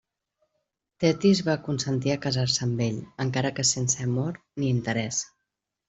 Tetis va consentir a casar-se amb ell, encara que sense amor ni interès.